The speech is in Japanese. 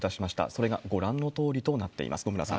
それがご覧のとおりとなっています。